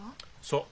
そう。